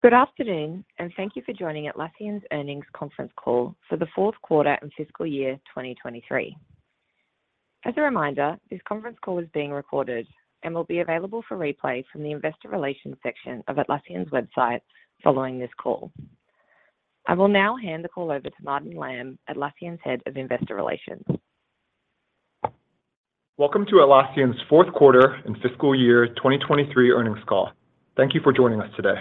Good afternoon, and thank you for joining Atlassian's earnings conference call for the fourth quarter and fiscal year 2023. As a reminder, this conference call is being recorded and will be available for replay from the investor relations section of Atlassian's website following this call. I will now hand the call over to Martin Lam, Atlassian's Head of Investor Relations. Welcome to Atlassian's fourth quarter and fiscal year 2023 earnings call. Thank you for joining us today.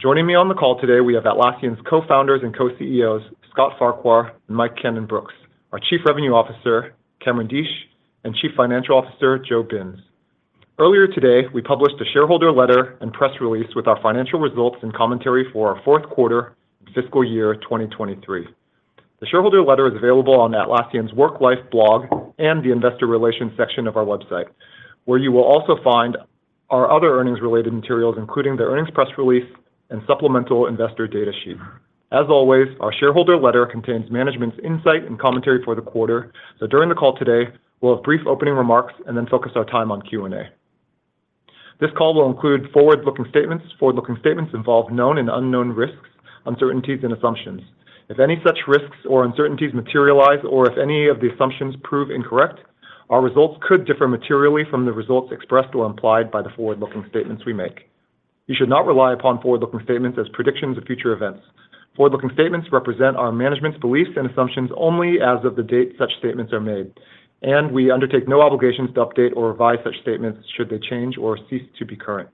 Joining me on the call today, we have Atlassian's Co-Founders and Co-CEOs, Scott Farquhar and Mike Cannon-Brookes, our Chief Revenue Officer, Cameron Deatsch, and Chief Financial Officer, Joe Binz. Earlier today, we published a shareholder letter and press release with our financial results and commentary for our fourth quarter fiscal year 2023. The shareholder letter is available on Atlassian Work Life blog and the investor relations section of our website, where you will also find our other earnings-related materials, including the earnings press release and supplemental investor data sheet. As always, our shareholder letter contains management's insight and commentary for the quarter. During the call today, we'll have brief opening remarks and then focus our time on Q&A. This call will include forward-looking statements. Forward-looking statements involve known and unknown risks, uncertainties, and assumptions. If any such risks or uncertainties materialize or if any of the assumptions prove incorrect, our results could differ materially from the results expressed or implied by the forward-looking statements we make. You should not rely upon forward-looking statements as predictions of future events. Forward-looking statements represent our management's beliefs and assumptions only as of the date such statements are made, and we undertake no obligations to update or revise such statements should they change or cease to be current.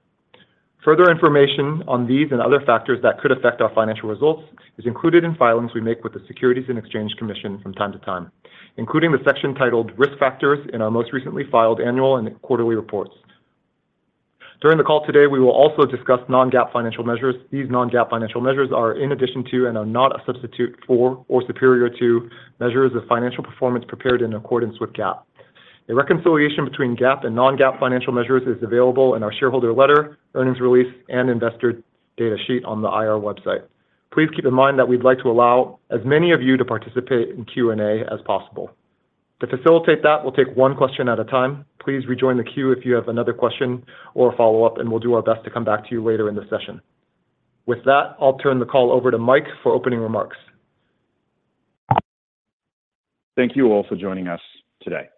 Further information on these and other factors that could affect our financial results is included in filings we make with the Securities and Exchange Commission from time to time, including the section titled Risk Factors in our most recently filed annual and quarterly reports. During the call today, we will also discuss non-GAAP financial measures. These non-GAAP financial measures are in addition to and are not a substitute for or superior to measures of financial performance prepared in accordance with GAAP. A reconciliation between GAAP and non-GAAP financial measures is available in our shareholder letter, earnings release, and investor data sheet on the IR website. Please keep in mind that we'd like to allow as many of you to participate in Q&A as possible. To facilitate that, we'll take one question at a time. Please rejoin the queue if you have another question or follow-up, and we'll do our best to come back to you later in the session. With that, I'll turn the call over to Mike for opening remarks. Thank you all for joining us today.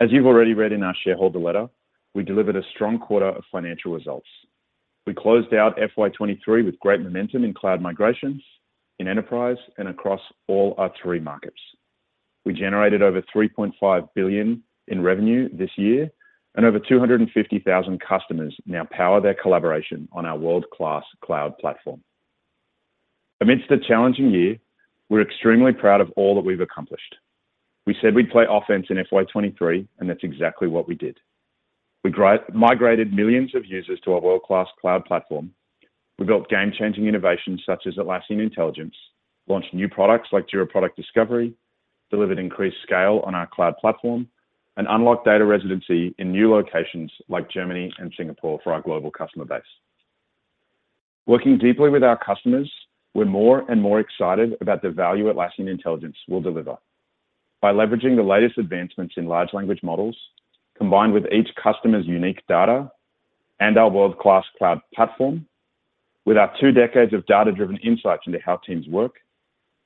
As you've already read in our shareholder letter, we delivered a strong quarter of financial results. We closed out FY 2023 with great momentum in cloud migrations, in enterprise, and across all our three markets. We generated over $3.5 billion in revenue this year, and over 250,000 customers now power their collaboration on our world-class cloud platform. Amidst a challenging year, we're extremely proud of all that we've accomplished. We said we'd play offense in FY 2023, and that's exactly what we did. We migrated millions of users to our world-class cloud platform. We built game-changing innovations such as Atlassian Intelligence, launched new products like Jira Product Discovery, delivered increased scale on our cloud platform, and unlocked data residency in new locations like Germany and Singapore for our global customer base. Working deeply with our customers, we're more and more excited about the value Atlassian Intelligence will deliver. By leveraging the latest advancements in large language models, combined with each customer's unique data and our world-class cloud platform, with our two decades of data-driven insights into how teams work,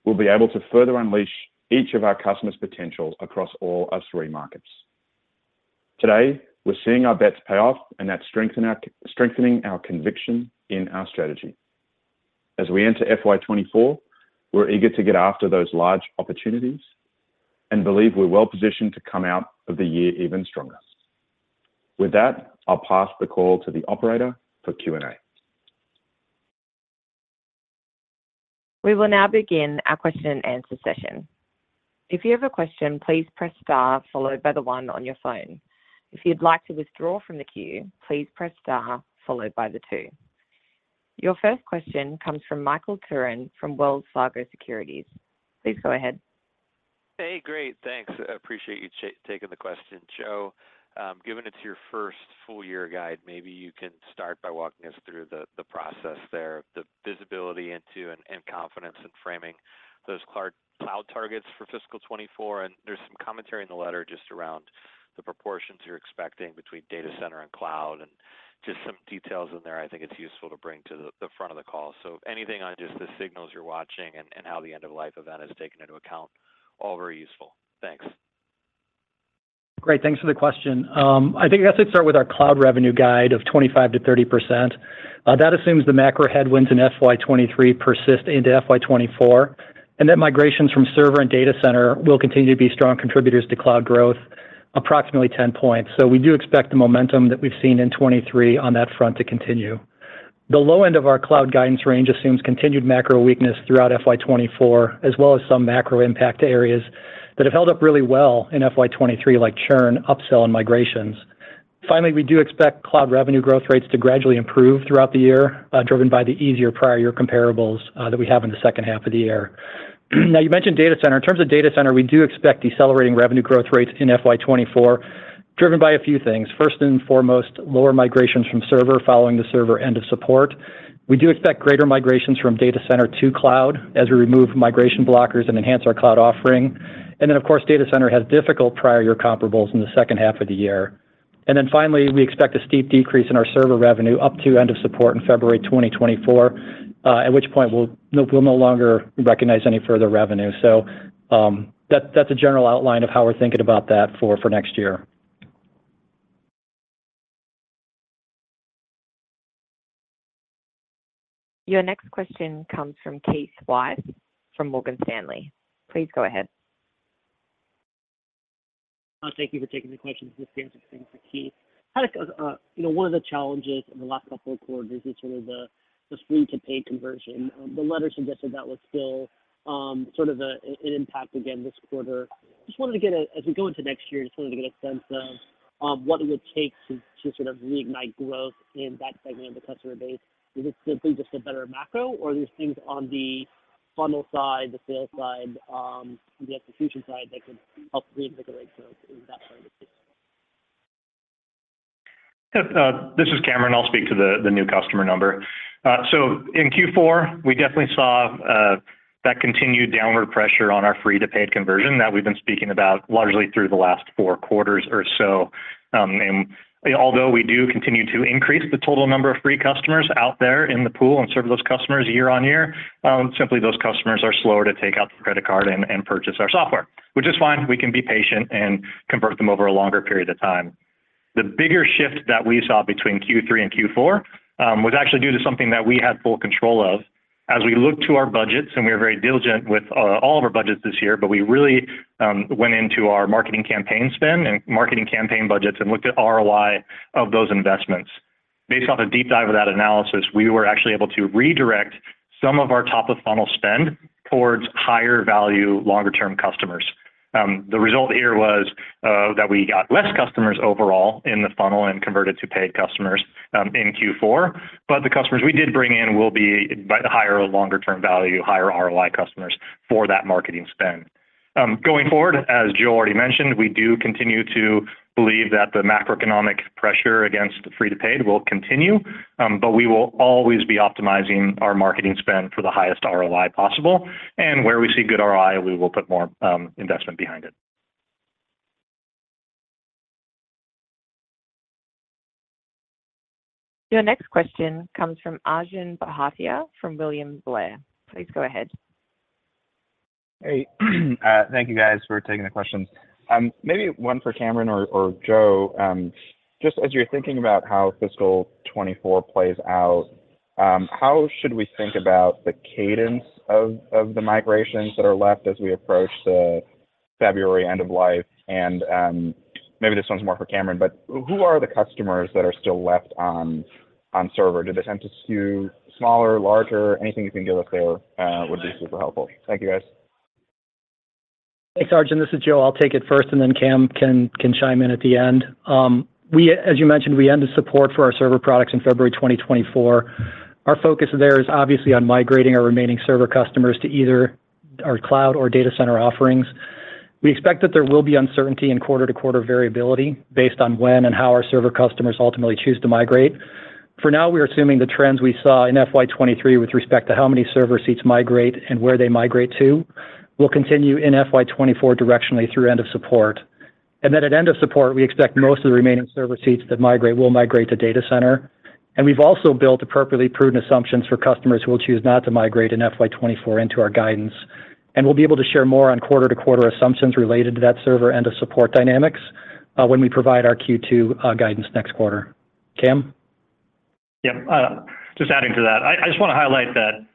we'll be able to further unleash each of our customers' potential across all our three markets. Today, we're seeing our bets pay off and that strengthen our- strengthening our conviction in our strategy. As we enter FY 2024, we're eager to get after those large opportunities and believe we're well-positioned to come out of the year even stronger. With that, I'll pass the call to the operator for Q&A. We will now begin our question and answer session. If you have a question, please press star followed by the one on your phone. If you'd like to withdraw from the queue, please press star followed by the two. Your first question comes from Michael Turrin from Wells Fargo Securities. Please go ahead. Hey, great. Thanks. Appreciate you taking the question. Joe, given it's your first full year guide, maybe you can start by walking us through the, the process there, the visibility into and, and confidence in framing those cloud targets for fiscal 2024. There's some commentary in the letter just around the proportions you're expecting between data center and cloud, and just some details in there I think it's useful to bring to the, the front of the call. Anything on just the signals you're watching and, and how the end-of-life event is taken into account? All very useful. Thanks. Great, thanks for the question. I think I'd start with our cloud revenue guide of 25%-30%. That assumes the macro headwinds in FY 2023 persist into FY 2024, and that migrations from server and data center will continue to be strong contributors to cloud growth, approximately 10 points. We do expect the momentum that we've seen in 2023 on that front to continue. The low end of our cloud guidance range assumes continued macro weakness throughout FY 2024, as well as some macro impact to areas that have held up really well in FY 2023, like churn, upsell, and migrations. We do expect cloud revenue growth rates to gradually improve throughout the year, driven by the easier prior year comparables, that we have in the second half of the year. You mentioned data center. In terms of data center, we do expect decelerating revenue growth rates in FY 2024, driven by a few things. First and foremost, lower migrations from server, following the server end of support. We do expect greater migrations from data center to cloud as we remove migration blockers and enhance our cloud offering. Of course, data center has difficult prior year comparables in the second half of the year. Finally, we expect a steep decrease in our server revenue up to end of support in February 2024, at which point we'll, we'll no longer recognize any further revenue. That, that's a general outline of how we're thinking about that for, for next year. Your next question comes from Keith Weiss from Morgan Stanley. Please go ahead. Thank you for taking the questions. This Sanjit on for Keith. You know, one of the challenges in the last couple of quarters is sort of the free to paid conversion. The letter suggested that was still sort of an impact again this quarter. Just wanted to get as we go into next year, just wanted to get a sense of what it would take to sort of reignite growth in that segment of the customer base. Is it simply just a better macro, or are there things on the funnel side, the sales side, the execution side that could help reinvigorate growth in that kind of space? This is Cameron. I'll speak to the new customer number. In Q4, we definitely saw that continued downward pressure on our free to paid conversion that we've been speaking about largely through the last four quarters or so. Although we do continue to increase the total number of free customers out there in the pool and serve those customers year-over-year, simply those customers are slower to take out the credit card and purchase our software, which is fine. We can be patient and convert them over a longer period of time. The bigger shift that we saw between Q3 and Q4 was actually due to something that we had full control of. As we looked to our budgets, and we were very diligent with all of our budgets this year, but we really went into our marketing campaign spend and marketing campaign budgets and looked at ROI of those investments. Based off a deep dive of that analysis, we were actually able to redirect some of our top-of-funnel spend towards higher value, longer-term customers. The result here was that we got less customers overall in the funnel and converted to paid customers in Q4, but the customers we did bring in will be by the higher or longer term value, higher ROI customers for that marketing spend. Going forward, as Joe already mentioned, we do continue to believe that the macroeconomic pressure against free to paid will continue. We will always be optimizing our marketing spend for the highest ROI possible. Where we see good ROI, we will put more investment behind it. Your next question comes from Arjun Bhatia from William Blair. Please go ahead. Hey, thank you guys for taking the questions. Maybe one for Cameron or Joe. Just as you're thinking about how fiscal 2024 plays out, how should we think about the cadence of the migrations that are left as we approach the February end of life? Maybe this one's more for Cameron, but who are the customers that are still left on server? Do they tend to skew smaller or larger? Anything you can give us there would be super helpful. Thank you, guys. Thanks, Arjun. This is Joe. I'll take it first, and then Cam can, can chime in at the end. We, as you mentioned, we end the support for our server products in February 2024. Our focus there is obviously on migrating our remaining server customers to either our cloud or data center offerings. We expect that there will be uncertainty in quarter-to-quarter variability based on when and how our server customers ultimately choose to migrate. For now, we're assuming the trends we saw in FY 2023 with respect to how many server seats migrate and where they migrate to, will continue in FY 2024 directionally through end of support. Then at end of support, we expect most of the remaining server seats that migrate will migrate to data center. We've also built appropriately prudent assumptions for customers who will choose not to migrate in FY 2024 into our guidance. We'll be able to share more on quarter-to-quarter assumptions related to that server end of support dynamics, when we provide our Q2 guidance next quarter. Cam? Yep. Just adding to that, I, I just wanna highlight that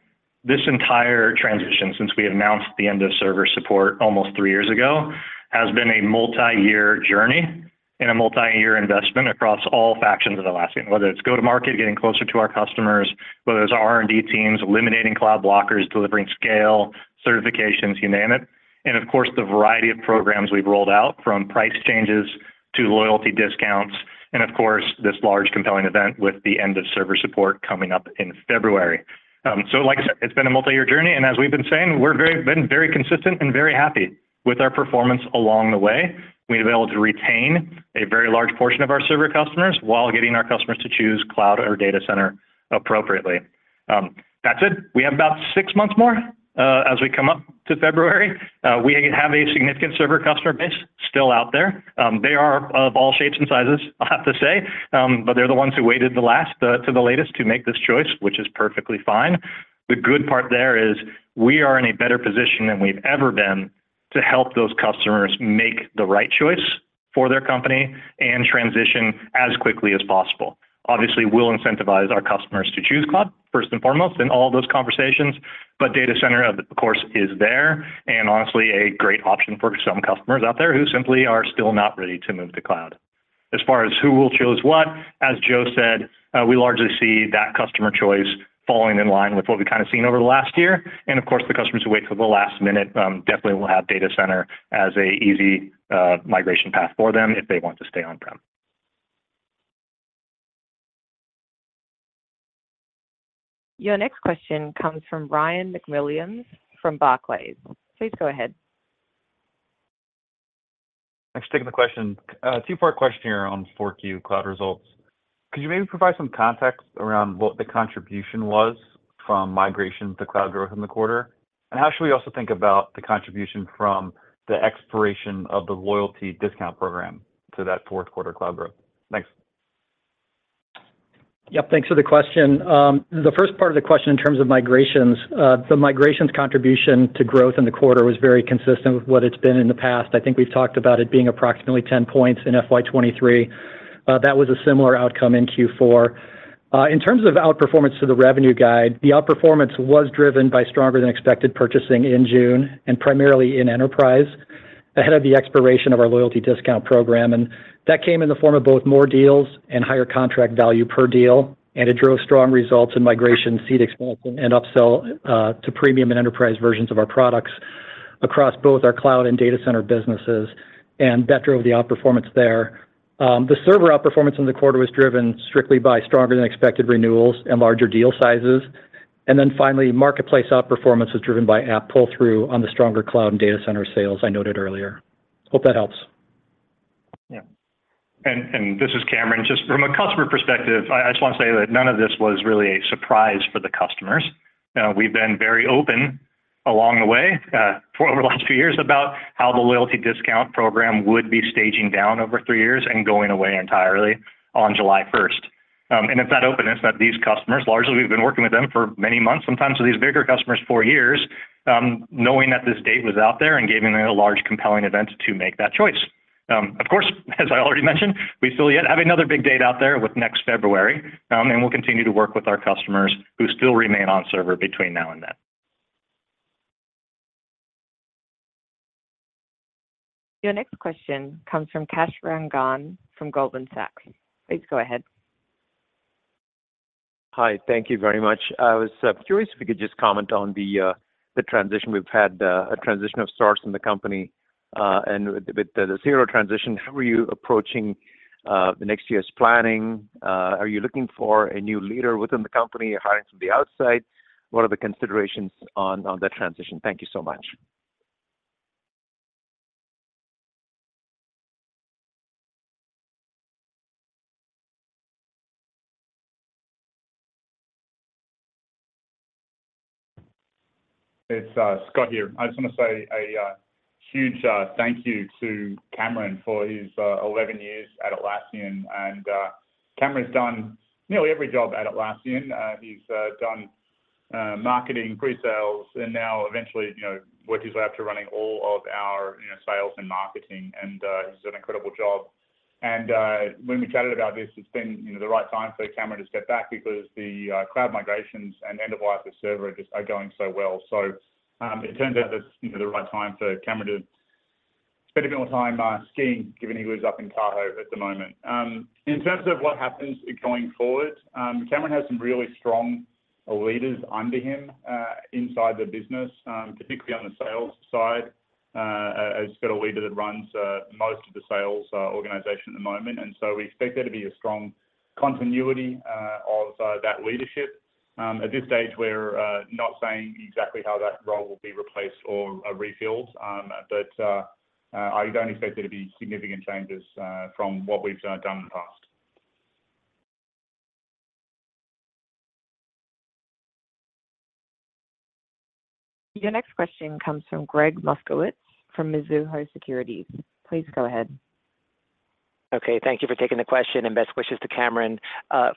this entire transition, since we announced the end of server support almost three years ago, has been a multi-year journey and a multi-year investment across all factions of Atlassian, whether it's go-to-market, getting closer to our customers, whether it's R&D teams, eliminating cloud blockers, delivering scale, certifications, you name it. Of course, the variety of programs we've rolled out, from price changes to loyalty discounts, and of course, this large compelling event with the end of server support coming up in February. Like I said, it's been a multi-year journey, and as we've been saying, we're very-- been very consistent and very happy with our performance along the way. We've been able to retain a very large portion of our server customers while getting our customers to choose cloud or data center appropriately. That said, we have about six months more as we come up to February. We have a significant server customer base still out there. They are of all shapes and sizes, I have to say, they're the ones who waited the last to the latest to make this choice, which is perfectly fine. The good part there is, we are in a better position than we've ever been to help those customers make the right choice for their company and transition as quickly as possible. Obviously, we'll incentivize our customers to choose cloud, first and foremost, in all those conversations, data center, of course, is there, and honestly, a great option for some customers out there who simply are still not ready to move to cloud. As far as who will choose what, as Joe said, we largely see that customer choice falling in line with what we've kind of seen over the last year. Of course, the customers who wait till the last minute, definitely will have data center as a easy migration path for them if they want to stay on-prem. Your next question comes from Ryan MacWilliams from Barclays. Please go ahead. Thanks for taking the question. two-part question here on 4Q cloud results. Could you maybe provide some context around what the contribution was from migration to cloud growth in the quarter? How should we also think about the contribution from the expiration of the loyalty discount program to that 4Q cloud growth? Thanks. Yep, thanks for the question. The first part of the question in terms of migrations, the migrations contribution to growth in the quarter was very consistent with what it's been in the past. I think we've talked about it being approximately 10 points in FY 2023. That was a similar outcome in Q4. In terms of outperformance to the revenue guide, the outperformance was driven by stronger than expected purchasing in June and primarily in enterprise, ahead of the expiration of our loyalty discount program. That came in the form of both more deals and higher contract value per deal, it drove strong results in migration, seat expansion, and upsell to premium and enterprise versions of our products across both our cloud and data center businesses, that drove the outperformance there. The server outperformance in the quarter was driven strictly by stronger than expected renewals and larger deal sizes. Finally, marketplace outperformance was driven by app pull-through on the stronger cloud and data center sales I noted earlier. Hope that helps. Yeah. And this is Cameron. Just from a customer perspective, I, I just want to say that none of this was really a surprise for the customers. We've been very open along the way, for over the last few years, about how the loyalty discount program would be staging down over three years and going away entirely on July 1st. It's that openness that these customers, largely, we've been working with them for many months, sometimes with these bigger customers, four years, knowing that this date was out there and giving them a large compelling event to make that choice. Of course, as I already mentioned, we still yet have another big date out there with next February, and we'll continue to work with our customers who still remain on server between now and then. Your next question comes from Kash Rangan from Goldman Sachs. Please go ahead. Hi, thank you very much. I was curious if you could just comment on the transition. We've had a transition of source in the company, and with, with the zero transition, how are you approaching the next year's planning? Are you looking for a new leader within the company or hiring from the outside? What are the considerations on, on that transition? Thank you so much. It's Scott here. I just want to say a huge thank you to Cameron for his 11 years at Atlassian, and Cameron's done nearly every job at Atlassian. He's done marketing, pre-sales, and now eventually, you know, worked his way up to running all of our, you know, sales and marketing, and he's done an incredible job. When we chatted about this, it's been, you know, the right time for Cameron to step back because the cloud migrations and end of life of server just are going so well. It turns out that's, you know, the right time for Cameron to spend a bit more time skiing, given he was up in Tahoe at the moment. In terms of what happens going forward, Cameron has some really strong leaders under him inside the business, particularly on the sales side. He's got a leader that runs most of the sales organization at the moment, and so we expect there to be a strong continuity of that leadership. At this stage, we're not saying exactly how that role will be replaced or refilled, but I don't expect there to be significant changes from what we've done in the past. Your next question comes from Gregg Moskowitz, from Mizuho Securities. Please go ahead. Okay, thank you for taking the question, and best wishes to Cameron.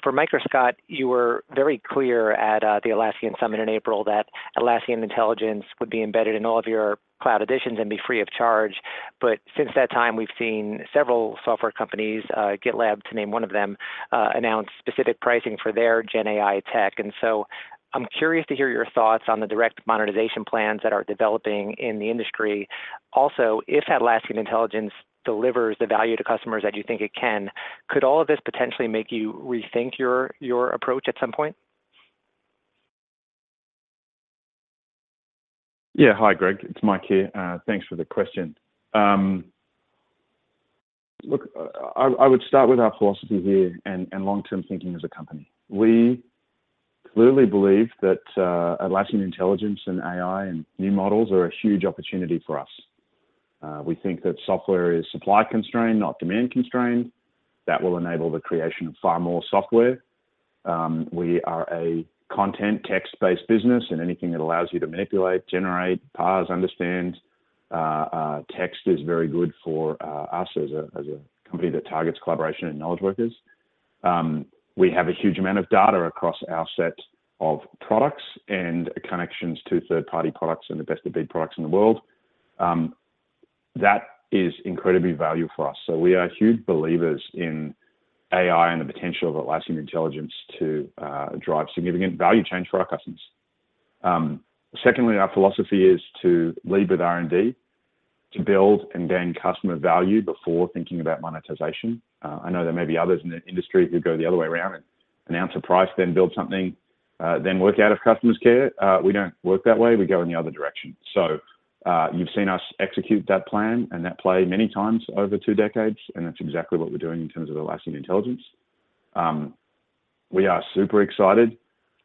For Mike or Scott, you were very clear at, the Atlassian Summit in April that Atlassian Intelligence would be embedded in all of your cloud additions and be free of charge. Since that time, we've seen several software companies, GitLab, to name one of them, announce specific pricing for their GenAI tech. So I'm curious to hear your thoughts on the direct monetization plans that are developing in the industry. Also, if Atlassian Intelligence delivers the value to customers that you think it can, could all of this potentially make you rethink your, your approach at some point? Yeah. Hi, Gregg. It's Mike here. Thanks for the question. Look, I, I would start with our philosophy here and long-term thinking as a company. We clearly believe that Atlassian Intelligence and AI and new models are a huge opportunity for us. We think that software is supply constrained, not demand constrained. That will enable the creation of far more software. We are a content, text-based business, and anything that allows you to manipulate, generate, parse, understand text is very good for us as a company that targets collaboration and knowledge workers. We have a huge amount of data across our set of products and connections to third-party products and the best-of-breed products in the world. That is incredibly valuable for us. We are huge believers in AI and the potential of Atlassian Intelligence to drive significant value change for our customers. Secondly, our philosophy is to lead with R&D, to build and gain customer value before thinking about monetization. I know there may be others in the industry who go the other way around and announce a price, then build something, then work out if customers care. We don't work that way, we go in the other direction. You've seen us execute that plan, and that play many times over two decades, and that's exactly what we're doing in terms of Atlassian Intelligence. We are super excited,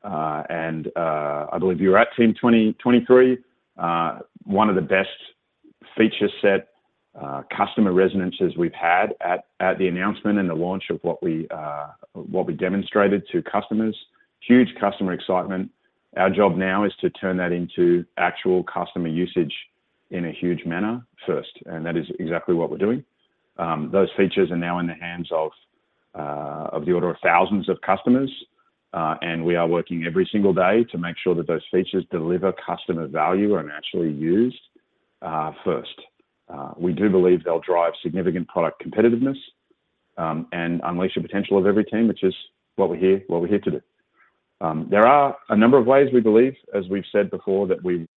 and I believe you were at Team '23. One of the best feature set, customer resonances we've had at, at the announcement and the launch of what we, what we demonstrated to customers. Huge customer excitement. Our job now is to turn that into actual customer usage in a huge manner first, and that is exactly what we're doing. Those features are now in the hands of, of the order of thousands of customers, and we are working every single day to make sure that those features deliver customer value and are actually used, first. We do believe they'll drive significant product competitiveness, and unleash the potential of every team, which is what we're here, what we're here to do. There are a number of ways we believe, as we've said before, that we,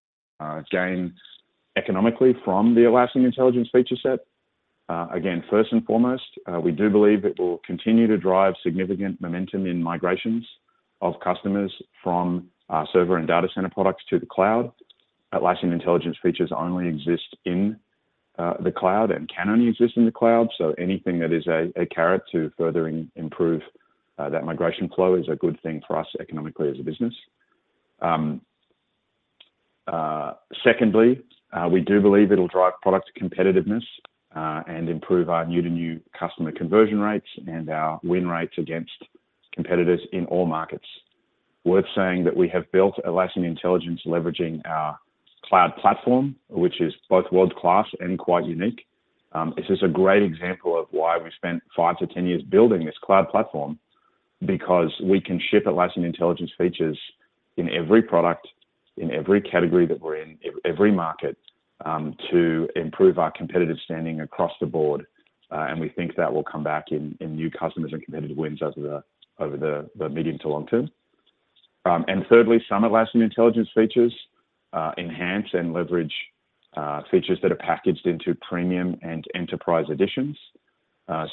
gain economically from the Atlassian Intelligence feature set. Again, first and foremost, we do believe it will continue to drive significant momentum in migrations of customers from our server and data center products to the cloud. Atlassian Intelligence features only exist in the cloud and can only exist in the cloud. Anything that is a, a carrot to further improve that migration flow is a good thing for us economically as a business. Secondly, we do believe it'll drive product competitiveness and improve our new to new customer conversion rates and our win rates against competitors in all markets. Worth saying that we have built Atlassian Intelligence, leveraging our cloud platform, which is both world-class and quite unique. This is a great example of why we spent five to 10 years building this cloud platform, because we can ship Atlassian Intelligence features in every product, in every category that we're in, every market to improve our competitive standing across the board, and we think that will come back in new customers and competitive wins over the medium to long term. Thirdly, some Atlassian Intelligence features enhance and leverage features that are packaged into premium and enterprise editions.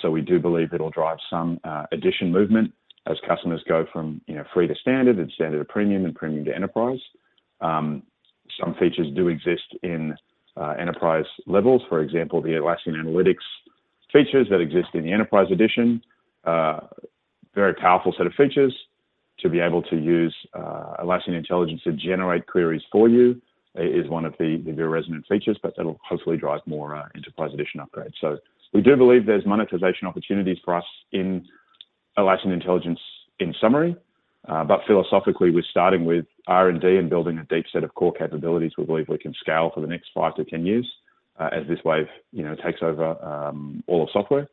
So we do believe it'll drive some addition movement as customers go from, you know, free to standard and standard to premium and premium to enterprise. Some features do exist in enterprise levels. For example, the Atlassian Analytics features that exist in the enterprise edition, very powerful set of features. To be able to use Atlassian Intelligence to generate queries for you, is one of the very resonant features, but that'll hopefully drive more enterprise edition upgrades. We do believe there's monetization opportunities for us in Atlassian Intelligence in summary, philosophically, we're starting with R&D and building a deep set of core capabilities we believe we can scale for the next five to 10 years, as this wave, you know, takes over all of software.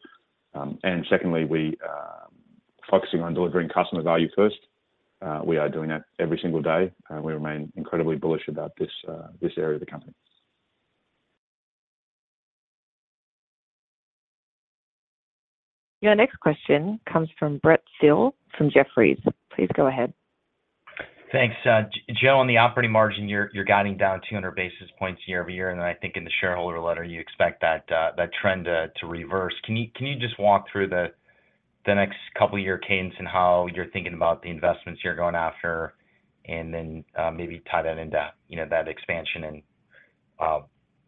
Secondly, we, focusing on delivering customer value first. We are doing that every single day, and we remain incredibly bullish about this, this area of the company. Your next question comes from Brent Thill from Jefferies. Please go ahead. Thanks. Joe, on the operating margin, you're, you're guiding down 200 basis points year-over-year, and I think in the shareholder letter, you expect that, that trend, to reverse. Can you, can you just walk through the, the next couple of year cadence and how you're thinking about the investments you're going after, and then, maybe tie that into, you know, that expansion and,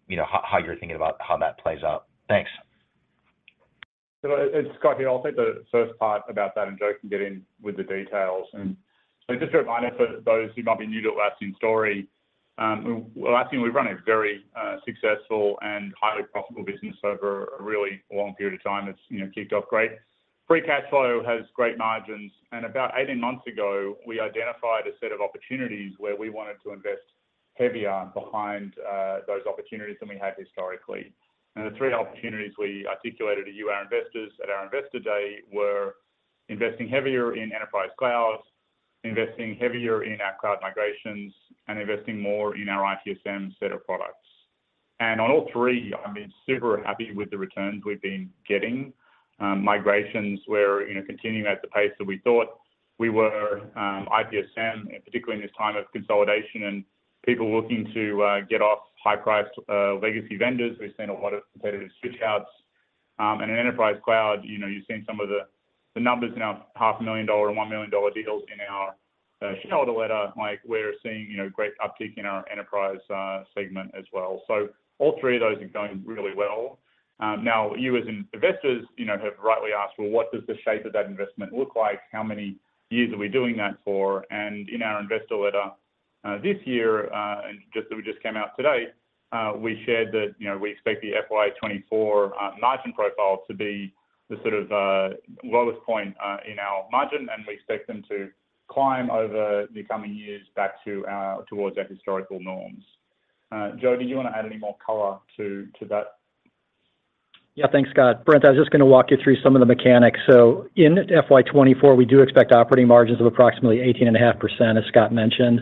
you know, how you're thinking about how that plays out? Thanks. It's Scott here. I'll take the first part about that, and Joe can get in with the details. Just a reminder for those who might be new to Atlassian story, Atlassian, we run a very successful and highly profitable business over a really long period of time. It's, you know, kicked off great. Free cash flow has great margins, and about 18 months ago, we identified a set of opportunities where we wanted to invest heavier behind those opportunities than we had historically. The three opportunities we articulated to you, our investors, at our Investor Day were investing heavier in Enterprise Clouds, investing heavier in our cloud migrations, and investing more in our ITSM set of products. On all three, I've been super happy with the returns we've been getting. Migrations were, you know, continuing at the pace that we thought we were. ITSM, particularly in this time of consolidation and people looking to get off high-priced legacy vendors, we've seen a lot of competitive switch outs, and in Enterprise Cloud, you know, you've seen some of the numbers in our $500,000 and $1 million deals in our shareholder letter. Mike, we're seeing, you know, great uptick in our enterprise segment as well. All three of those are going really well. Now, you as in investors, you know, have rightly asked, "Well, what does the shape of that investment look like? How many years are we doing that for?" In our investor letter, this year, and just-that we just came out today, we shared that, you know, we expect the FY 2024, margin profile to be the sort of, lowest point, in our margin, and we expect them to climb over the coming years back to our, towards our historical norms. Joe, do you want to add any more color to, to that? Yeah. Thanks, Scott. Brent, I was just going to walk you through some of the mechanics. In FY 2024, we do expect operating margins of approximately 18.5%, as Scott mentioned.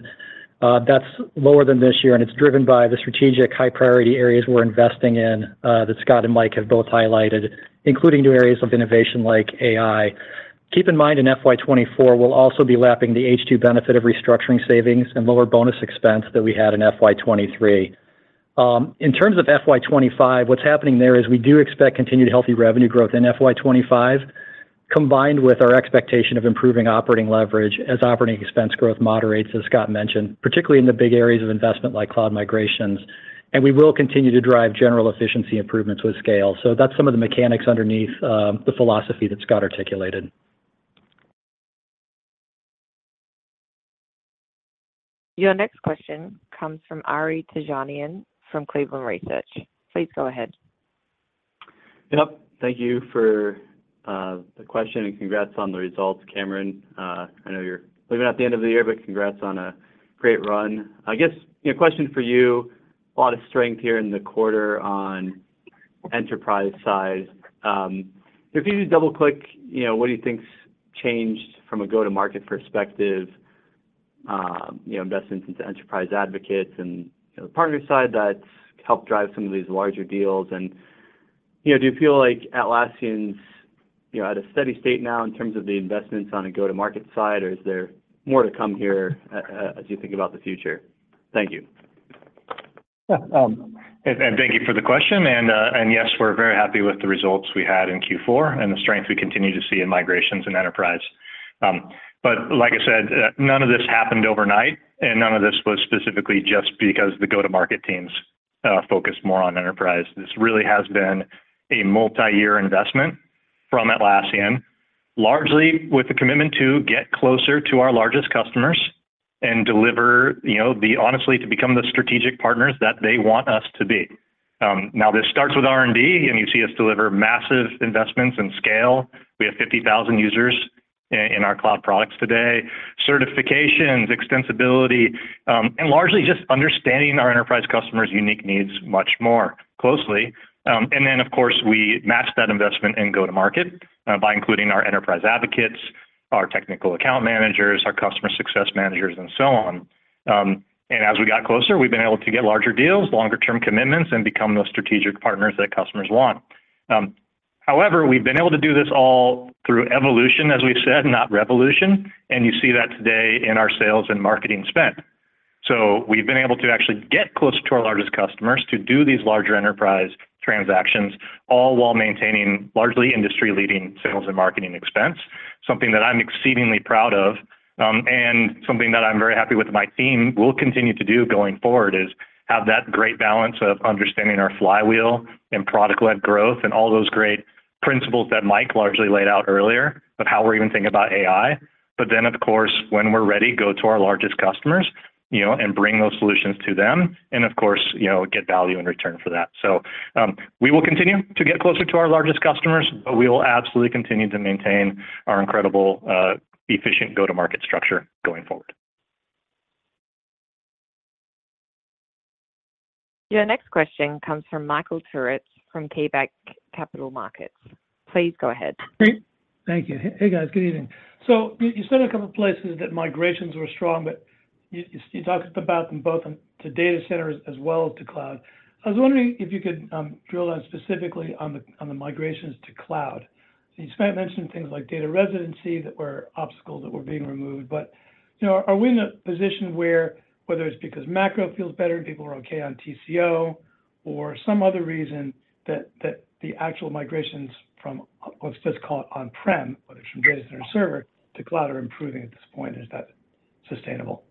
That's lower than this year, and it's driven by the strategic high priority areas we're investing in that Scott and Mike have both highlighted, including new areas of innovation like AI. Keep in mind, in FY 2024, we'll also be lapping the H2 benefit of restructuring savings and lower bonus expense that we had in FY 2023. In terms of FY 2025, what's happening there is we do expect continued healthy revenue growth in FY 2025, combined with our expectation of improving operating leverage as operating expense growth moderates, as Scott mentioned, particularly in the big areas of investment like cloud migrations. We will continue to drive general efficiency improvements with scale. That's some of the mechanics underneath the philosophy that Scott articulated. Your next question comes from Ari Terjanian from Cleveland Research. Please go ahead. Yep, thank you for the question, and congrats on the results, Cameron. I know you're leaving at the end of the year, but congrats on a great run. I guess, you know, question for you, a lot of strength here in the quarter on enterprise size. If you could double-click, you know, what do you think's changed from a go-to-market perspective, you know, investments into enterprise advocates and, you know, the partner side that's helped drive some of these larger deals? You know, do you feel like Atlassian's, you know, at a steady state now in terms of the investments on a go-to-market side, or is there more to come here as you think about the future? Thank you. Yeah, thank you for the question. Yes, we're very happy with the results we had in Q4 and the strength we continue to see in migrations and enterprise. Like I said, none of this happened overnight, and none of this was specifically just because the go-to-market teams focus more on enterprise. This really has been a multi-year investment from Atlassian, largely with the commitment to get closer to our largest customers and deliver, you know, honestly, to become the strategic partners that they want us to be. This starts with R&D, and you see us deliver massive investments and scale. We have 50,000 users in our cloud products today, certifications, extensibility, and largely just understanding our enterprise customers' unique needs much more closely. Then, of course, we match that investment and go to market, by including our enterprise advocates, our technical account managers, our customer success managers, and so on. As we got closer, we've been able to get larger deals, longer term commitments, and become those strategic partners that customers want. However, we've been able to do this all through evolution, as we've said, not revolution, and you see that today in our sales and marketing spend. We've been able to actually get closer to our largest customers to do these larger enterprise transactions, all while maintaining largely industry-leading sales and marketing expense. Something that I'm exceedingly proud of, and something that I'm very happy with my team will continue to do going forward, is have that great balance of understanding our flywheel and product-led growth and all those great principles that Mike largely laid out earlier of how we're even thinking about AI. Then, of course, when we're ready, go to our largest customers, you know, and bring those solutions to them, and of course, you know, get value in return for that. We will continue to get closer to our largest customers, but we will absolutely continue to maintain our incredible, efficient go-to-market structure going forward. Your next question comes from Michael Turits, from KeyBanc Capital Markets. Please go ahead. Great. Thank you. Hey, guys, good evening. You said a couple places that migrations were strong, but you, you talked about them both on to data centers as well as to cloud. I was wondering if you could drill down specifically on the migrations to cloud. You spent mentioning things like data residency, that were obstacles that were being removed, but, you know, are we in a position where whether it's because macro feels better and people are okay on TCO or some other reason, that, that the actual migrations from, let's just call it on-prem, whether it's from data center server to cloud, are improving at this point, is that sustainable?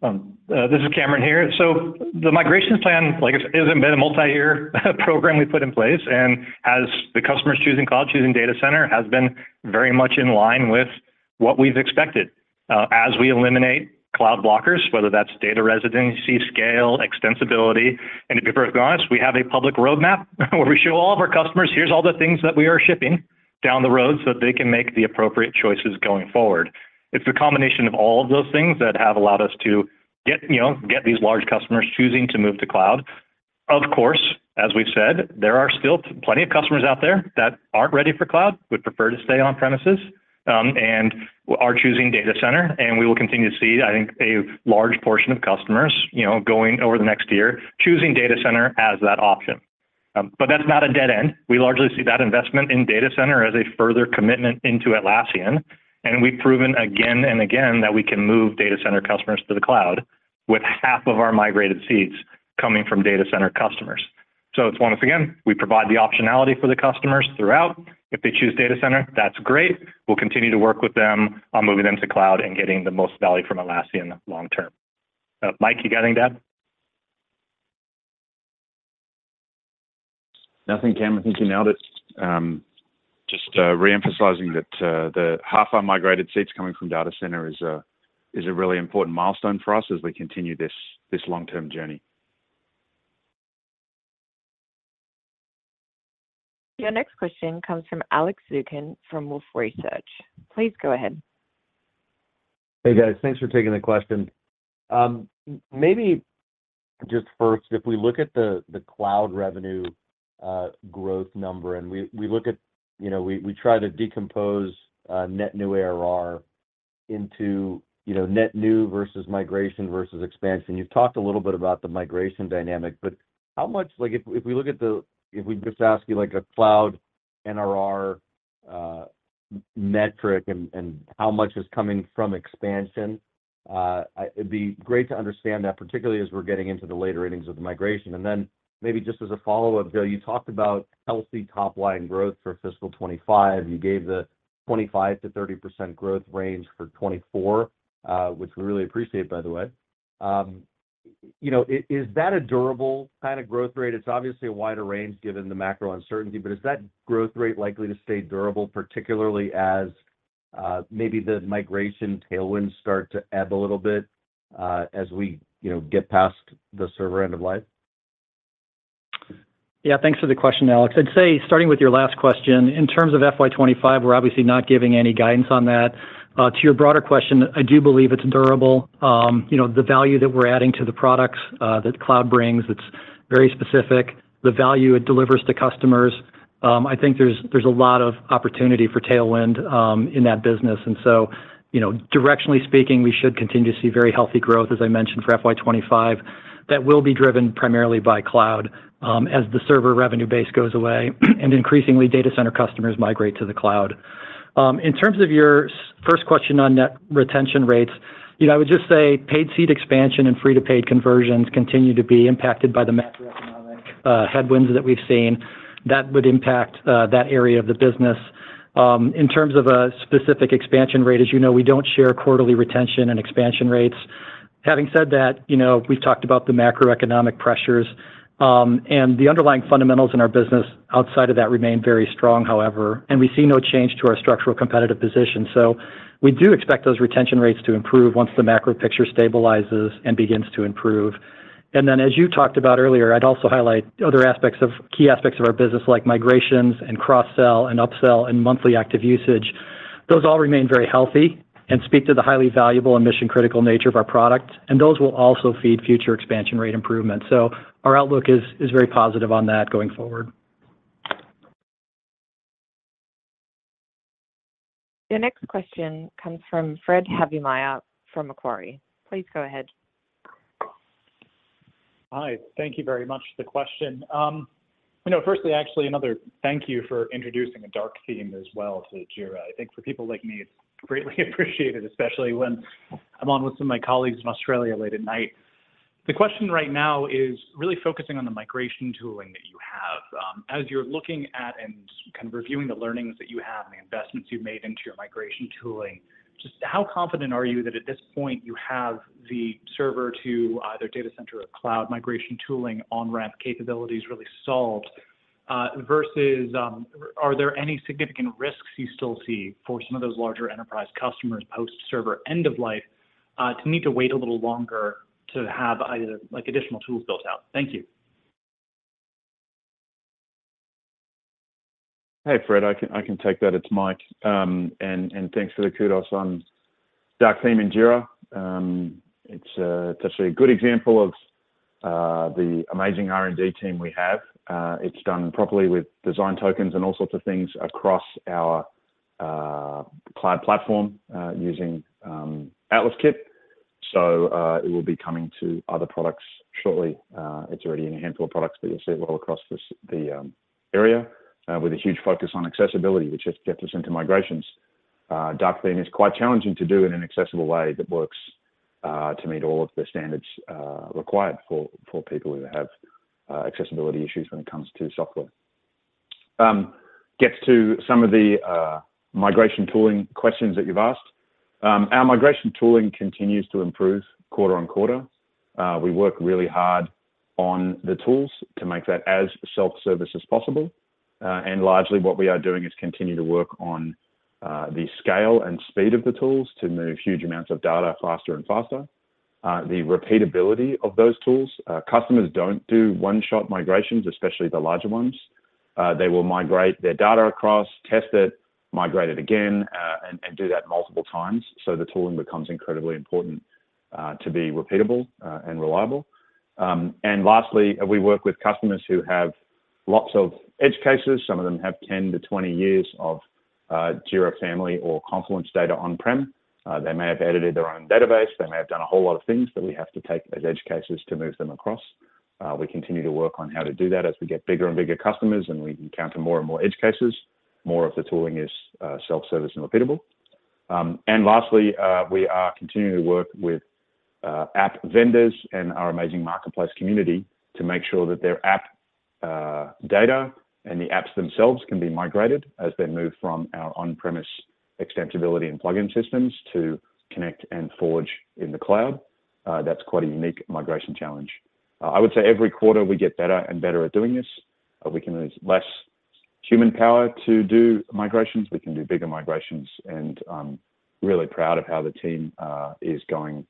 This is Cameron here. The migrations plan, like I said, has been a multi-year program we put in place, and as the customers choosing cloud, choosing data center, has been very much in line with what we've expected. As we eliminate cloud blockers, whether that's data residency, scale, extensibility, and to be very honest, we have a public roadmap, where we show all of our customers, "Here's all the things that we are shipping down the road," so that they can make the appropriate choices going forward. It's a combination of all of those things that have allowed us to get, you know, get these large customers choosing to move to cloud. Of course, as we've said, there are still plenty of customers out there that aren't ready for cloud, would prefer to stay on premises, and are choosing data center. We will continue to see, I think, a large portion of customers, you know, going over the next year, choosing data center as that option. That's not a dead end. We largely see that investment in data center as a further commitment into Atlassian, and we've proven again and again that we can move data center customers to the cloud, with half of our migrated seats coming from data center customers. Once again, we provide the optionality for the customers throughout. If they choose data center, that's great. We'll continue to work with them on moving them to cloud and getting the most value from Atlassian long term. Mike, you got anything to add? Nothing, Cameron. Thinking now that, just, re-emphasizing that, the half our migrated seats coming from data center is a, is a really important milestone for us as we continue this, this long-term journey. Your next question comes from Alex Zukin, from Wolfe Research. Please go ahead. Hey, guys. Thanks for taking the question. Maybe just first, if we look at the cloud revenue growth number, and we look at, you know, we try to decompose net new ARR into, you know, net new versus migration versus expansion. You've talked a little bit about the migration dynamic, but how much, like, if we just ask you, like, a cloud NRR metric and how much is coming from expansion, it'd be great to understand that, particularly as we're getting into the later innings of the migration. Then maybe just as a follow-up, you talked about healthy top-line growth for fiscal 2025. You gave the 25%-30% growth range for 2024, which we really appreciate, by the way. You know, is that a durable kind of growth rate? It's obviously a wider range given the macro uncertainty, but is that growth rate likely to stay durable, particularly as maybe the migration tailwinds start to ebb a little bit, as we, you know, get past the server end of life? Yeah, thanks for the question, Alex. I'd say starting with your last question, in terms of FY 2025, we're obviously not giving any guidance on that. To your broader question, I do believe it's durable. You know, the value that we're adding to the products, that cloud brings, it's very specific. The value it delivers to customers, I think there's, there's a lot of opportunity for tailwind, in that business. You know, directionally speaking, we should continue to see very healthy growth, as I mentioned, for FY 2025. That will be driven primarily by cloud, as the server revenue base goes away, and increasingly data center customers migrate to the cloud. In terms of your first question on net retention rates, you know, I would just say paid seat expansion and free-to-paid conversions continue to be impacted by the macroeconomic headwinds that we've seen. That would impact that area of the business. In terms of a specific expansion rate, as you know, we don't share quarterly retention and expansion rates. Having said that, you know, we've talked about the macroeconomic pressures, and the underlying fundamentals in our business outside of that remain very strong, however, and we see no change to our structural competitive position. We do expect those retention rates to improve once the macro picture stabilizes and begins to improve. Then, as you talked about earlier, I'd also highlight other aspects key aspects of our business, like migrations and cross-sell and up-sell and monthly active usage. Those all remain very healthy and speak to the highly valuable and mission-critical nature of our product. Those will also feed future expansion rate improvements. Our outlook is very positive on that going forward. Your next question comes from Fred Havemeyer from Macquarie. Please go ahead. Hi, thank you very much for the question. You know, firstly, actually, another thank you for introducing a dark theme as well to Jira. I think for people like me, it's greatly appreciated, especially when I'm on with some of my colleagues in Australia late at night. The question right now is really focusing on the migration tooling that you have. As you're looking at and kind of reviewing the learnings that you have and the investments you've made into your migration tooling, just how confident are you that at this point you have the server to either data center or cloud migration tooling on-ramp capabilities really solved, versus, are there any significant risks you still see for some of those larger enterprise customers, post-server end of life, to need to wait a little longer to have either, like, additional tools built out? Thank you. Hey, Fred, I can, I can take that. It's Mike. Thanks for the kudos on dark theme in Jira. It's actually a good example of the amazing R&D team we have. It's done properly with design tokens and all sorts of things across our cloud platform, using Atlaskit. It will be coming to other products shortly. It's already in a handful of products, but you'll see it well across the area, with a huge focus on accessibility, which just gets us into migrations. Dark theme is quite challenging to do in an accessible way that works to meet all of the standards required for people who have accessibility issues when it comes to software. Get to some of the migration tooling questions that you've asked. Our migration tooling continues to improve quarter on quarter. We work really hard on the tools to make that as self-service as possible. Largely, what we are doing is continue to work on the scale and speed of the tools to move huge amounts of data faster and faster. The repeatability of those tools, customers don't do one-shot migrations, especially the larger ones. They will migrate their data across, test it, migrate it again, and, and do that multiple times, so the tooling becomes incredibly important to be repeatable and reliable. Lastly, we work with customers who have lots of edge cases. Some of them have 10 to 20 years of Jira family or Confluence data on-prem. They may have edited their own database, they may have done a whole lot of things that we have to take as edge cases to move them across. We continue to work on how to do that as we get bigger and bigger customers, and we encounter more and more edge cases. More of the tooling is self-service and repeatable. Lastly, we are continuing to work with app vendors and our amazing marketplace community to make sure that their app data and the apps themselves can be migrated as they move from our on-premise extensibility and plugin systems to Connect and Forge in the cloud. That's quite a unique migration challenge. I would say every quarter, we get better and better at doing this. We can use less human power to do migrations. We can do bigger migrations, and I'm really proud of how the team is going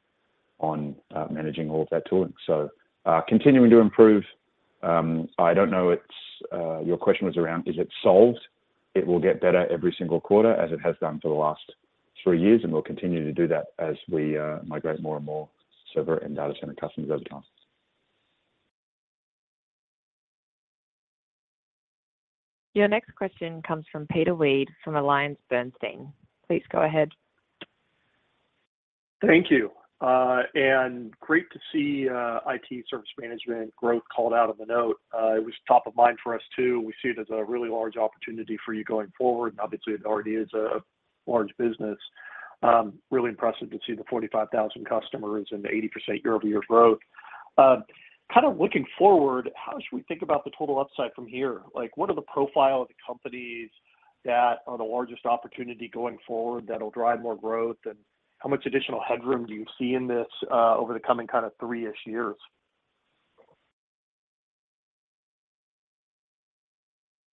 on managing all of that tooling. Continuing to improve. I don't know, it's, your question was around, is it solved? It will get better every single quarter, as it has done for the last three years, and we'll continue to do that as we migrate more and more server and data center customers over time. Your next question comes from Peter Weed, from AllianceBernstein. Please go ahead. Thank you. Great to see IT service management growth called out on the note. It was top of mind for us, too. We see it as a really large opportunity for you going forward, and obviously, it already is a large business. Really impressive to see the 45,000 customers and the 80% year-over-year growth. Kind of looking forward, how should we think about the total upside from here? Like, what are the profile of the companies that are the largest opportunity going forward that'll drive more growth, and how much additional headroom do you see in this over the coming kind of three-ish years?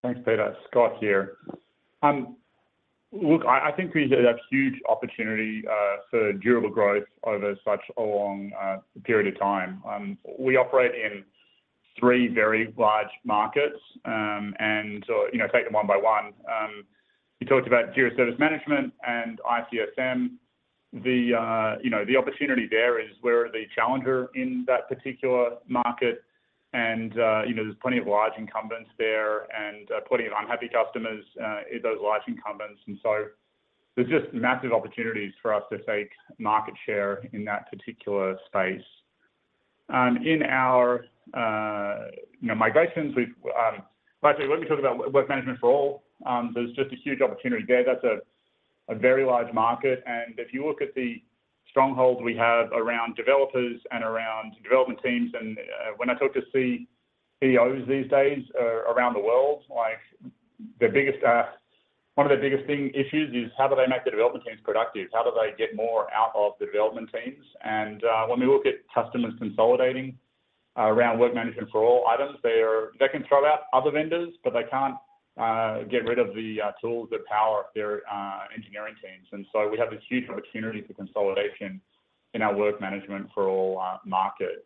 Thanks, Peter. Scott here. Look, I, I think we have huge opportunity for durable growth over such a long period of time. We operate in three very large markets, and so, you know, take them one by one. You talked about Jira Service Management and ITSM. The, you know, the opportunity there is we're the challenger in that particular market and, you know, there's plenty of large incumbents there, and plenty of unhappy customers in those large incumbents. So there's just massive opportunities for us to take market share in that particular space. In our, you know, migrations, we've, actually, let me talk about work management for all, there's just a huge opportunity there. That's a, a very large market. If you look at the strongholds we have around developers and around development teams, when I talk to CEOs these days around the world, like, the biggest one of the biggest thing, issues is how do they make the development teams productive? How do they get more out of the development teams? When we look at customers consolidating around work management for all items, they can throw out other vendors, but they can't get rid of the tools that power their engineering teams. We have this huge opportunity for consolidation in our work management for all market.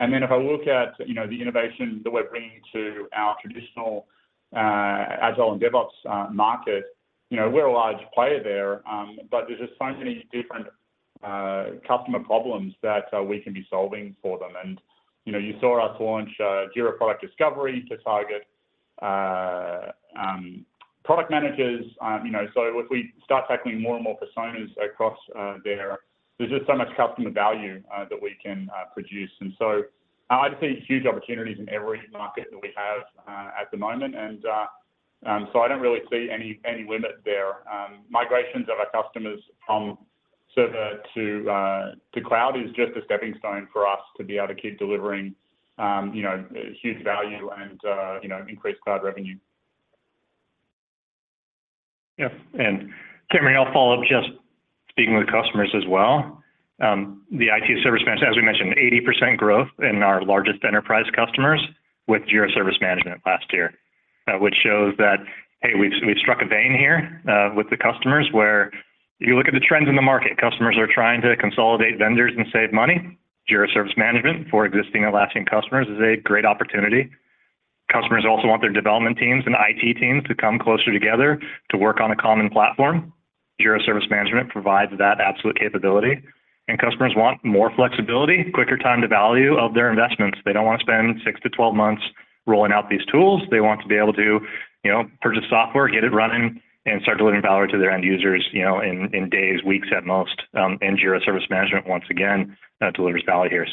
Then if I look at, you know, the innovation that we're bringing to our traditional Agile and DevOps market, you know, we're a large player there, but there's just so many different customer problems that we can be solving for them. You know, you saw us launch Jira Product Discovery to target product managers. You know, so if we start tackling more and more personas across there, there's just so much customer value that we can produce. So, I'd see huge opportunities in every market that we have at the moment. I don't really see any, any limit there. Migrations of our customers from server to cloud is just a stepping stone for us to be able to keep delivering, you know, huge value and, you know, increase cloud revenue. Yeah. And Cameron here, I'll follow up just speaking with customers as well. The IT service management, as we mentioned, 80% growth in our largest enterprise customers with Jira Service Management last year, which shows that, hey, we've, we've struck a vein here with the customers, where if you look at the trends in the market, customers are trying to consolidate vendors and save money. Jira Service Management for existing Atlassian customers is a great opportunity. Customers also want their development teams and IT teams to come closer together to work on a common platform. Jira Service Management provides that absolute capability. Customers want more flexibility, quicker time to value of their investments. They don't want to spend six-12 months rolling out these tools. They want to be able to, you know, purchase software, get it running, and start delivering value to their end users, you know, in, in days, weeks at most, and Jira Service Management, once again, delivers value here.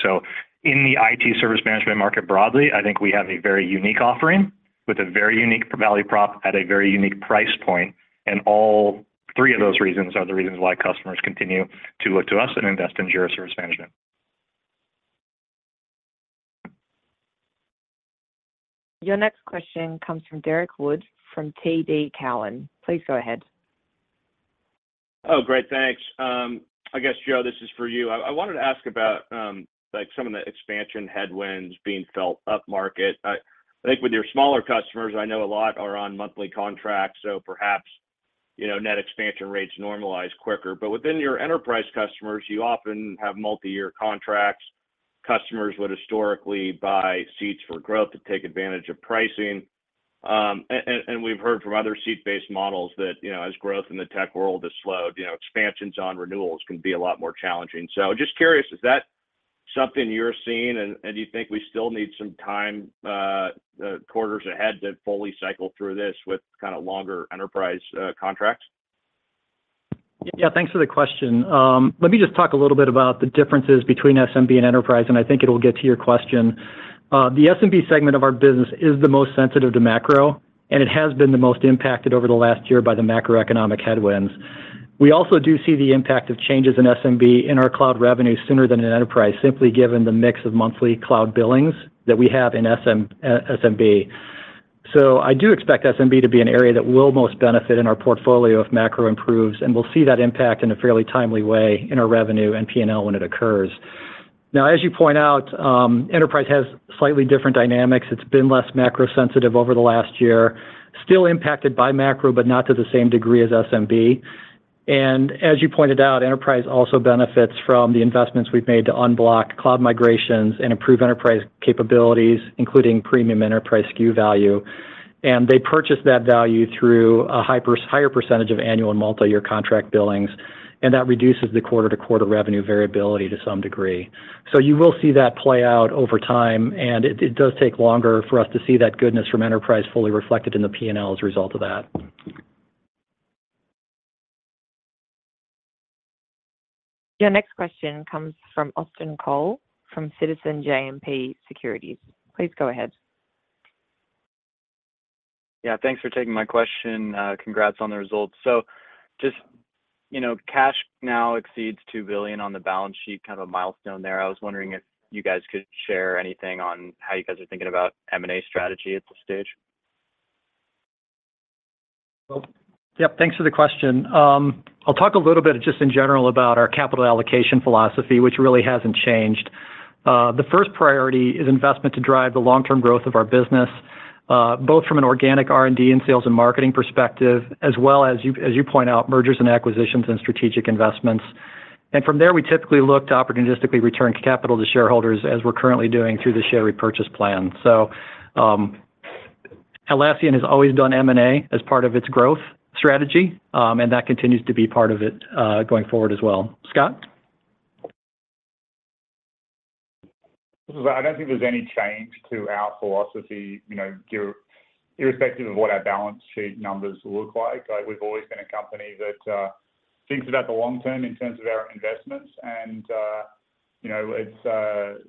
In the IT service management market broadly, I think we have a very unique offering with a very unique value prop at a very unique price point. All three of those reasons are the reasons why customers continue to look to us and invest in Jira Service Management. Your next question comes from Derrick Wood, from TD Cowen. Please go ahead. Oh, great, thanks. I guess, Joe, this is for you. I, I wanted to ask about, like, some of the expansion headwinds being felt upmarket. I, I think with your smaller customers, I know a lot are on monthly contracts, so perhaps, you know, net expansion rates normalize quicker. Within your enterprise customers, you often have multi-year contracts. Customers would historically buy seats for growth to take advantage of pricing. We've heard from other seat-based models that, you know, as growth in the tech world has slowed, you know, expansions on renewals can be a lot more challenging. Just curious, is that something you're seeing, and, and do you think we still need some time, quarters ahead to fully cycle through this with kind of longer enterprise, contracts? Yeah, thanks for the question. Let me just talk a little bit about the differences between SMB and enterprise, and I think it'll get to your question. The SMB segment of our business is the most sensitive to macro, and it has been the most impacted over the last year by the macroeconomic headwinds. We also do see the impact of changes in SMB in our cloud revenue sooner than in enterprise, simply given the mix of monthly cloud billings that we have in SMB. I do expect SMB to be an area that will most benefit in our portfolio if macro improves, and we'll see that impact in a fairly timely way in our revenue and P&L when it occurs. Now, as you point out, enterprise has slightly different dynamics. It's been less macro-sensitive over the last year, still impacted by macro, but not to the same degree as SMB. As you pointed out, enterprise also benefits from the investments we've made to unblock cloud migrations and improve enterprise capabilities, including premium enterprise SKU value. They purchase that value through a higher percentage of annual and multi-year contract billings, and that reduces the quarter-to-quarter revenue variability to some degree. You will see that play out over time, and it does take longer for us to see that goodness from enterprise fully reflected in the P&L as a result of that. Your next question comes from Austin Cole, from Citizens JMP Securities. Please go ahead. Yeah, thanks for taking my question. Congrats on the results. Just, you know, cash now exceeds $2 billion on the balance sheet, kind of a milestone there. I was wondering if you guys could share anything on how you guys are thinking about M&A strategy at this stage? Well, yep, thanks for the question. I'll talk a little bit just in general about our capital allocation philosophy, which really hasn't changed. The first priority is investment to drive the long-term growth of our business, both from an organic R&D and sales and marketing perspective, as well as you, as you point out, mergers and acquisitions and strategic investments. From there, we typically look to opportunistically return capital to shareholders as we're currently doing through the share repurchase plan. Atlassian has always done M&A as part of its growth strategy, and that continues to be part of it, going forward as well. Scott? This is Scott. I don't think there's any change to our philosophy, you know, irrespective of what our balance sheet numbers look like. Like, we've always been a company that thinks about the long term in terms of our investments, and, you know, it's...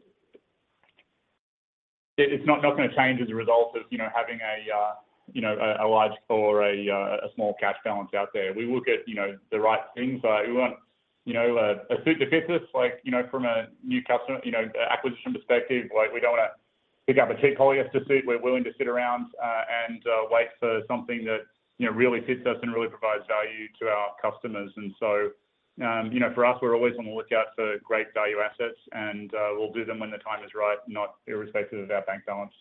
It's not, not gonna change as a result of, you know, having a, you know, a large or a small cash balance out there. We look at, you know, the right things, we want, you know, a suit that fits us, like, you know, from a new customer, you know, acquisition perspective, like, we don't want to pick up a polyester suit. We're willing to sit around and wait for something that, you know, really fits us and really provides value to our customers. You know, for us, we're always on the lookout for great value assets, and we'll do them when the time is right, not irrespective of our bank balance.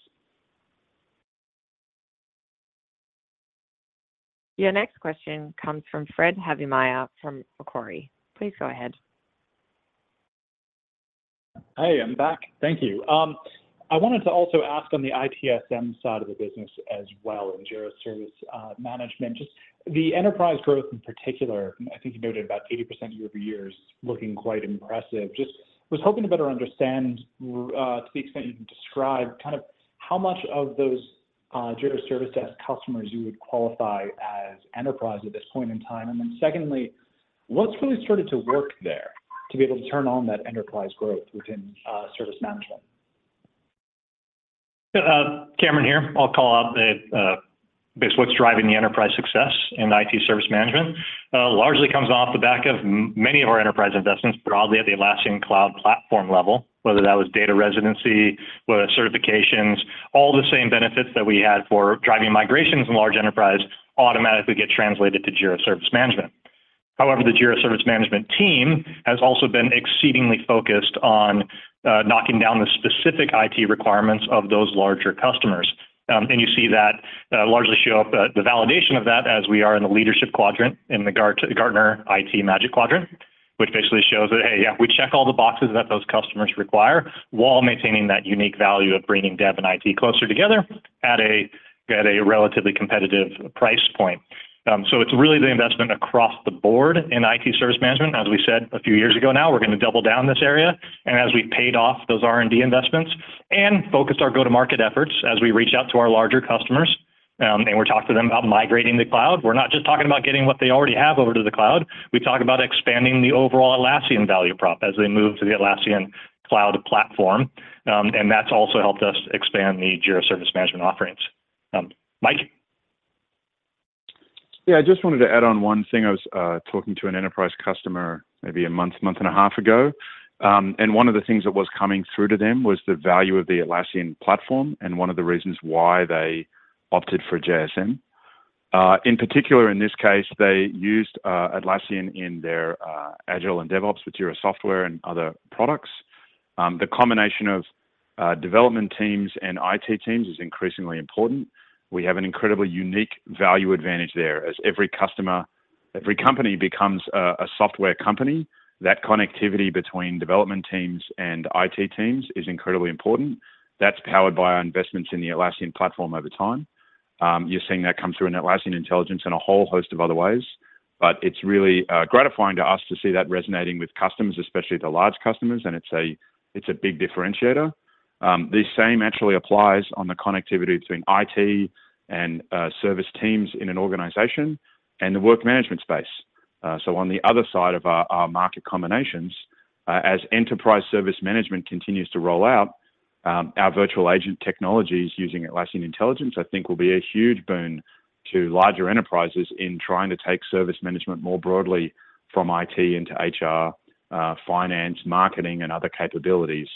Your next question comes from Fred Havemeyer from Macquarie. Please go ahead. Hey, I'm back. Thank you. I wanted to also ask on the ITSM side of the business as well, in Jira Service Management. Just the enterprise growth in particular, I think you noted about 80% year-over-year is looking quite impressive. Just was hoping to better understand, to the extent you can describe, kind of how much of those Jira Service Desk customers you would qualify as enterprise at this point in time. Secondly, what's really started to work there to be able to turn on that enterprise growth within service management? Cameron here. I'll call out the basically what's driving the enterprise success in IT service management. Largely comes off the back of many of our enterprise investments, broadly at the Atlassian Cloud platform level, whether that was data residency, whether certifications, all the same benefits that we had for driving migrations in large enterprise automatically get translated to Jira Service Management. However, the Jira Service Management team has also been exceedingly focused on knocking down the specific IT requirements of those larger customers. And you see that largely show up the validation of that as we are in the leadership quadrant in the Gartner Magic Quadrant, which basically shows that, hey, yeah, we check all the boxes that those customers require while maintaining that unique value of bringing dev and IT closer together at a, at a relatively competitive price point. It's really the investment across the board in IT service management. As we said a few years ago now, we're going to double down this area, and as we paid off those R&D investments and focused our go-to-market efforts as we reach out to our larger customers, and we talk to them about migrating to cloud. We're not just talking about getting what they already have over to the cloud. We talk about expanding the overall Atlassian value prop as we move to the Atlassian cloud platform, and that's also helped us expand the Jira Service Management offerings. Mike? Yeah, I just wanted to add on one thing. I was talking to an enterprise customer maybe a month, month and a half ago. One of the things that was coming through to them was the value of the Atlassian platform, and one of the reasons why they opted for JSM. In particular, in this case, they used Atlassian in their Agile and DevOps with Jira Software and other products. The combination of development teams and IT teams is increasingly important. We have an incredibly unique value advantage there. As every customer, every company becomes a software company, that connectivity between development teams and IT teams is incredibly important. That's powered by our investments in the Atlassian platform over time. You're seeing that come through in Atlassian Intelligence in a whole host of other ways, but it's really gratifying to us to see that resonating with customers, especially the large customers, and it's a big differentiator. The same actually applies on the connectivity between IT and service teams in an organization and the work management space. On the other side of our, our market combinations, as enterprise service management continues to roll out, our Virtual Agent technologies using Atlassian Intelligence, I think, will be a huge boon to larger enterprises in trying to take service management more broadly from IT into HR, finance, marketing, and other capabilities.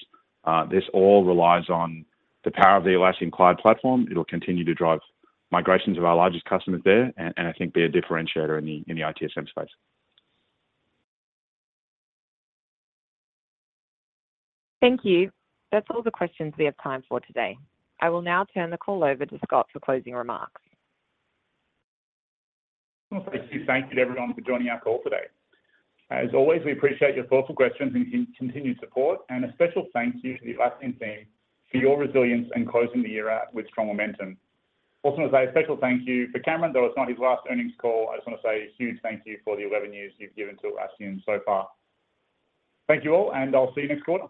This all relies on the power of the Atlassian cloud platform. It'll continue to drive migrations of our largest customers there, and, and I think be a differentiator in the, in the ITSM space. Thank you. That's all the questions we have time for today. I will now turn the call over to Scott for closing remarks. I just want to say thank you to everyone for joining our call today. As always, we appreciate your thoughtful questions and continued support, and a special thank you to the Atlassian team for your resilience in closing the year out with strong momentum. I also want to say a special thank you for Cameron, though it's not his last earnings call. I just want to say a huge thank you for the 11 years you've given to Atlassian so far. Thank you all, and I'll see you next quarter.